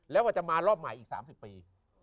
แล้วก็จะมารอบใหม่อีก๓๐ปี